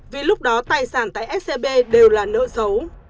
vì lúc đó tài sản tại scb đều là nợ xấu